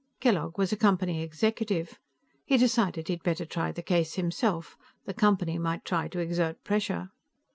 Kellogg was a Company executive. He decided he'd better try the case himself. The Company might try to exert pressure.